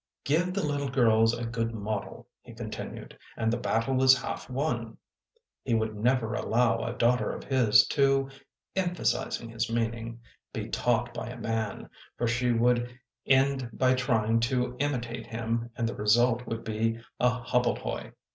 " Give the little girls a good model," he continued, " and the battle is half won." He would never allow a daughter of his, to [emphasizing his meaning] be taught by a man, for she would end by trying to imitate him and the result would be a hobbledehoy.